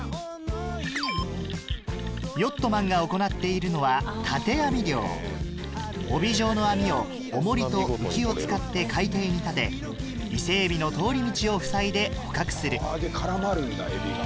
ヨットマンが行っているのは建て網漁帯状の網を重りと浮きを使って海底に立て伊勢えびの通り道をふさいで捕獲する絡まるんだえびが。